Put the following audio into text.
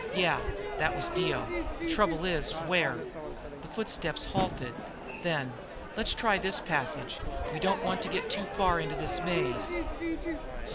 "Yeah." That was Dio. "The trouble is, where?" The footsteps halted. Then, "Let's try this passage. We don't want to get too far into this maze."